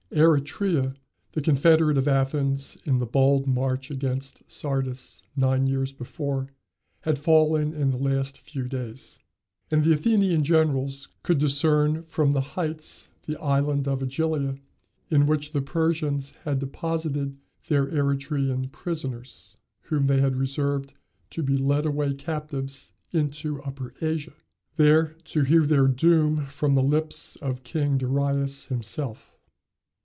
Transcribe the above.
Eretria, the confederate of Athens in the bold march against Sardis nine years before, had fallen in the last few days; and the Athenian generals could discern from the heights the island of Ægilia, in which the Persians had deposited their Eretrian prisoners, whom they had reserved to be led away captives into Upper Asia, there to hear their doom from the lips of King Darius himself.